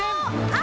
あ！